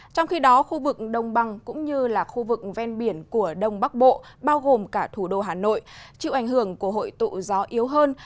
trong khi đó khu vực đông bằng cũng như là khu vực ven biển của đông bắc bộ bao gồm cả thủ đô hà nội chịu ảnh hưởng của hội tụ gió yếu hơn